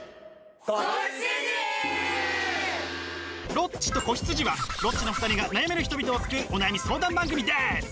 「ロッチと子羊」はロッチの２人が悩める人々を救うお悩み相談番組です！